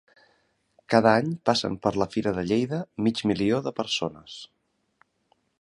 Cada any passen per la Fira de Lleida mig milió de persones.